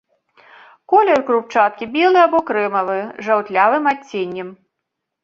Колер крупчаткі белы або крэмавы, з жаўтлявым адценнем.